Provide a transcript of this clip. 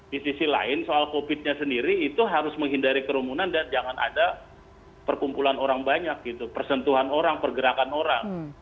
di sisi lain soal covid nya sendiri itu harus menghindari kerumunan dan jangan ada perkumpulan orang banyak gitu persentuhan orang pergerakan orang